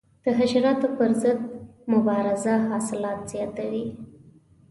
د حشراتو پر ضد مبارزه حاصلات زیاتوي.